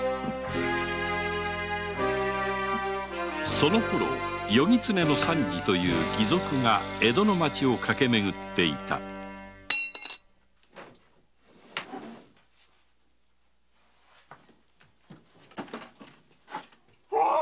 そのころ「夜狐の三次」という義賊が江戸の町を駆けめぐっていたうわッ！